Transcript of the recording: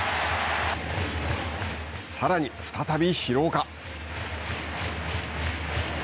さらに、再び廣岡。